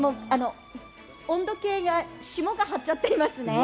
温度計が霜が張っちゃってますね。